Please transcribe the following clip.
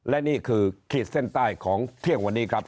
และนี่คือขีดเส้นใต้ของเที่ยงวันนี้ครับ